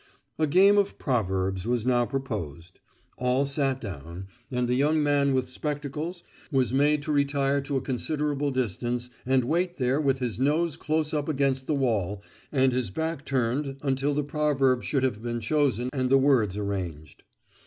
A game of "proverbs" was now proposed. All sat down, and the young man with spectacles was made to retire to a considerable distance and wait there with his nose close up against the wall and his back turned until the proverb should have been chosen and the words arranged.